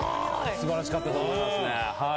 素晴らしかったと思いますね。